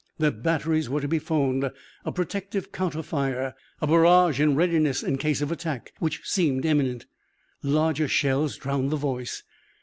Their batteries were to be phoned. A protective counter fire. A barrage in readiness in case of attack, which seemed imminent. Larger shells drowned the voice.